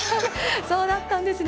そうだったんですね。